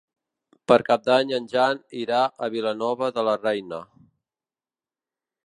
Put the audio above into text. Per Cap d'Any en Jan irà a Vilanova de la Reina.